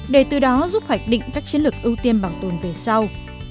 để từ đó giúp hạch định các chiến lược ưu tiên bảo tồn về sau